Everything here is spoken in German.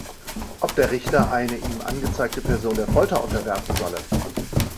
Ob der Richter eine ihm angezeigte Person der Folter unterwerfen solle.